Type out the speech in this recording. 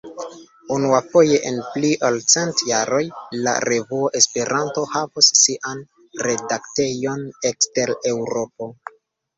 Unuafoje en pli ol cent jaroj, la revuo Esperanto havos sian redaktejon ekster Eŭropo.